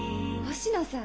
星野さん。